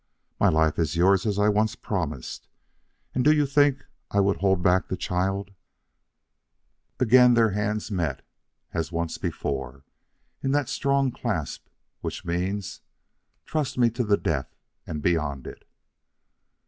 My life is yours as I once promised, and do you think I would hold back the child?" And again their hands met as once before, in that strong clasp, which means: "Trust me to the death and beyond it."